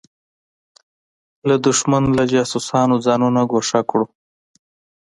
له دښمن له جاسوسانو ځانونه ګوښه کړو.